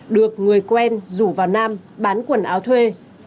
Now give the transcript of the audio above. được người quen rủ vào nam bán quần áo thuê